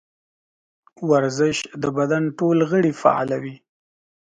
ورزش د بدن ټول غړي فعالوي.